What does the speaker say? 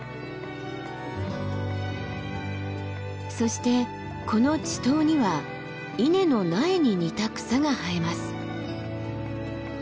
そしてこの池塘には稲の苗に似た草が生えます。